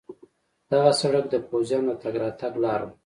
دغه سړک د پوځیانو د تګ راتګ لار وه.